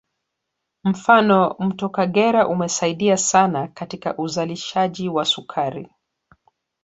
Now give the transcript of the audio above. Mfano mto Kagera umesaidia sana katika uzalishaji wa sukari